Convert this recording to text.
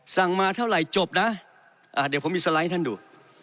สั่งมาเท่าไหร่จบนะเดี๋ยวผมมีสไลด์ท่านดู